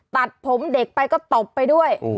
ตัดผมเด็กไปก็ตบไปด้วย